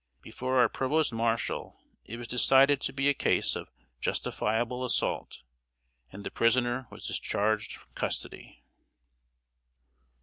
Before our Provost Marshal it was decided to be a case of "justifiable assault," and the prisoner was discharged from custody.